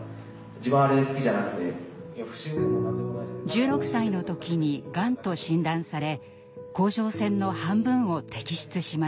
１６歳の時にがんと診断され甲状腺の半分を摘出しました。